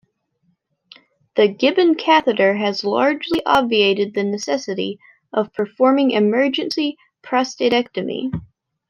The Gibbon catheter has largely obviated the necessity of performing emergency prostatectomy.